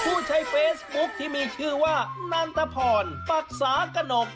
ผู้ใช้เฟซบุ๊คที่มีชื่อว่านันตพรปรักษากระหนก